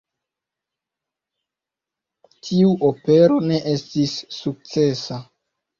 Tiu opero ne estis sukcesa.